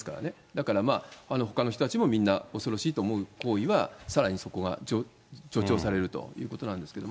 だからまあ、ほかの人たちもみんな恐ろしいと思う行為は、さらにそこは助長されるということなんですけれども。